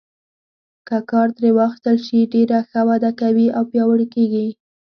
که کار ترې واخیستل شي ډېره ښه وده کوي او پیاوړي کیږي.